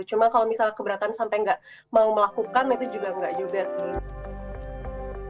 cuma kalau misalnya keberatan sampai nggak mau melakukan itu juga enggak juga sih